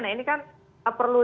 nah ini kan perlu